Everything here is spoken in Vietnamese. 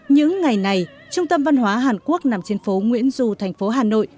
những ngày này trung tâm văn hóa hàn quốc nằm trên phố nguyễn du thành phố hà nội